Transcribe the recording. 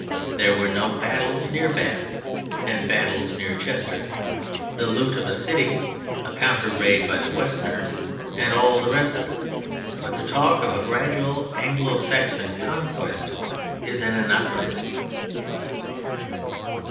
There were battles near Bath and battles near Chester, the loot of a city, a counter raid by the Westerners and all the rest of it. But to talk of a gradual "Anglo Saxon conquest" is an anachronism.